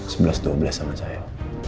sebelas dua belas sama saya